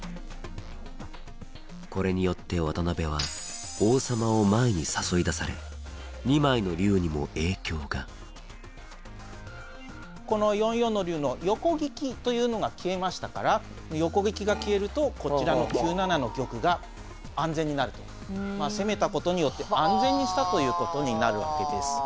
これによって渡辺は王様を前に誘い出され２枚の龍にも影響がこの４四の龍の横利きというのが消えましたから横利きが消えるとこちらの９七の玉が安全になると攻めたことによって安全にしたということになるわけです。